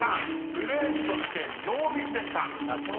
ブレーンとしてノーミスでした］らしい。